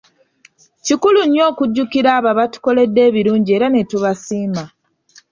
Kikulu nnyo okujjukira abo abatukoledde ebirungi era ne tubasiima.